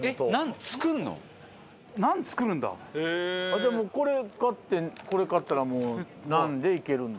じゃあこれ買ってこれ買ったらもうナンでいけるんだ。